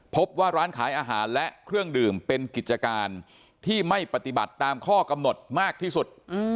พบว่าร้านขายอาหารและเครื่องดื่มเป็นกิจการที่ไม่ปฏิบัติตามข้อกำหนดมากที่สุด